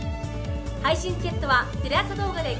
配信チケットはテレ朝動画で好評販売中！